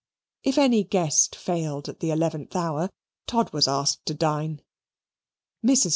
If any guest failed at the eleventh hour, Todd was asked to dine. Mrs.